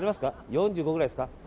４５くらいですか。